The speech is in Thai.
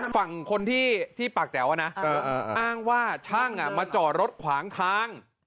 ฝั่งคนที่ปากแจ๋วนะอ้างว่าช่างมาจอดรถขวางทาง